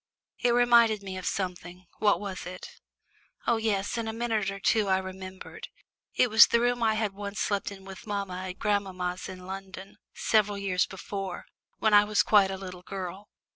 It reminded me of something what was it? Oh yes, in a minute or two I remembered. It was the room I had once slept in with mamma at grandmamma's house in London, several years before, when I was quite a little girl.